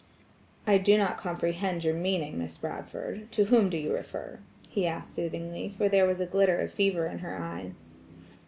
"I do not comprehend your meaning, Miss Bradford, to whom do you refer?" he asked soothingly, for there was the glitter of fever in her eyes.